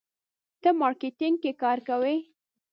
ته مارکیټینګ کې کار کوې.